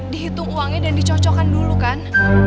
dihitung uangnya dan dicocokkan dulu kan